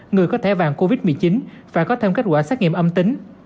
người có thẻ vàng covid một mươi chín phải có thêm kết quả xét nghiệm âm tính